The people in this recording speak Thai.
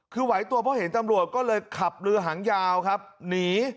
คือไหวตัวเพราะเห็นตำรวจก็เลยขับเรือหางยาวครับหนี